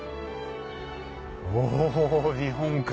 お日本海。